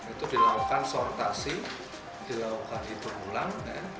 itu dilakukan sortasi dilakukan itu ulang